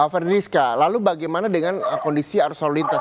verdiska lalu bagaimana dengan kondisi arus lalu lintas